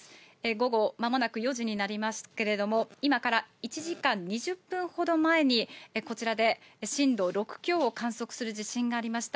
午後、まもなく４時になりますけれども、今から１時間２０分ほど前に、こちらで震度６強を観測する地震がありました。